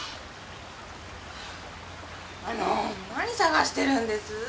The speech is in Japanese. あの何探してるんです？